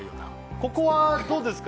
ここはどうですか？